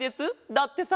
だってさ。